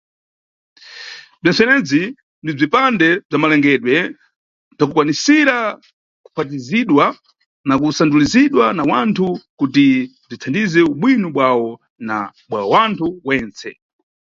Bzentsenebzi ni bzipande bza malengedwe bzakukwanisira kuphatizidwa na kusandusidwa na wanthu, kuti bzithandize ubwino bwawo na bwa wanthu wentse.